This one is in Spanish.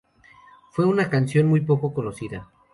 Fue una canción muy poco conocida.